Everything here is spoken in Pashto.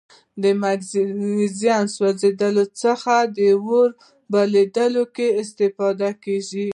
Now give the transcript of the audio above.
د مګنیزیم سوځیدلو څخه په اور لوبو کې استفاده کیږي.